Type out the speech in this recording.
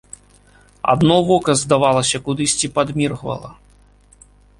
Адно вока, здавалася, кудысьці падміргвала.